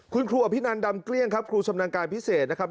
คุณครูอภินันดำเกลี้ยงครับครูชำนาญการพิเศษนะครับ